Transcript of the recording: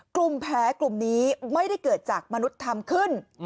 กลุ่มแผลกลุ่มนี้ไม่ได้เกิดจากมนุษย์ธรรมขึ้น